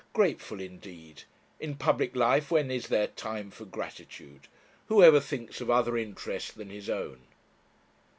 Grateful, indeed! In public life when is there time for gratitude? Who ever thinks of other interest than his own?